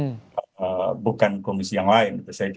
karena bukan komisi yang lain